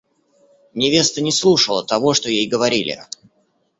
Невеста не слушала того, что ей говорили.